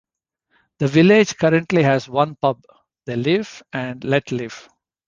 The village currently has one pub, The Live and Let Live.